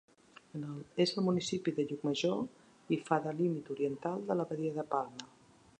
És al municipi de Llucmajor i fa de límit oriental de la badia de Palma.